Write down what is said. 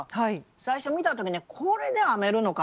最初見た時にこれで編めるのかなと。